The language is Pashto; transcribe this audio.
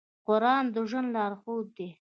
قرآن د ژوند لارښود دی.